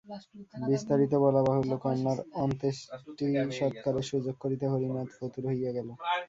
বিস্তারিত বলা বাহুল্য, কন্যার অন্ত্যেষ্টিসৎকারের সুযোগ করিতে হরিনাথ ফতুর হইয়া গেল।